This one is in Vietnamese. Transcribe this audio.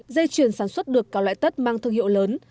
dây chuyền sản xuất được cả loại tất mang thương hiệu lớn